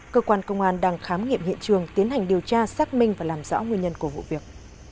cơ quan công an đang khám nghiệm hiện trường tiến hành điều tra xác minh và làm rõ nguyên nhân của vụ việc